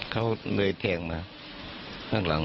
เขาเลยแทงมาข้างหลัง